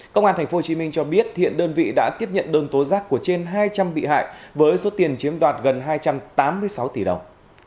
công an tp hcm cho biết hiện đơn vị đã tiếp nhận đơn tố giác của trên hai trăm linh bị hại với số tiền chiếm đoạt gần hai trăm tám mươi sáu tỷ đồng